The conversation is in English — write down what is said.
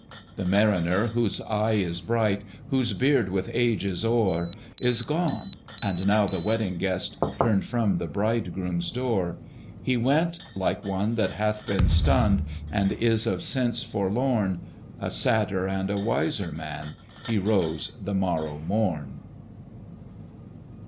The Mariner, whose eye is bright, Whose beard with age is hoar, Is gone: and now the Wedding Guest Turned from the bridegroom's door. He went like one that hath been stunned, And is of sense forlorn: A sadder and a wiser man, He rose the morrow morn.